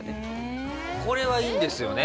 これはいいんですよね？